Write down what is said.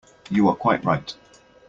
You are quite right.